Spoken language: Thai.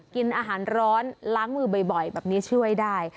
กินอาหารร้อนล้างมือบ่อยแบบนี้ช่วยได้